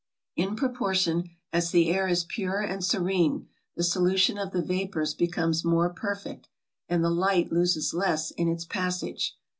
In proportion as the air is pure and serene, the solution of the vapors becomes mere perfect, and the light loses less in its passage.